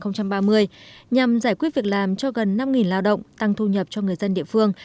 nhằm giải quyết việc làm cho gần năm lao động tăng thu nhập cho người dân địa phương